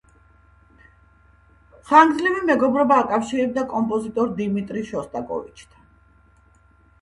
ხანგრძლივი მეგობრობა აკავშირებდა კომპოზიტორ დიმიტრი შოსტაკოვიჩთან.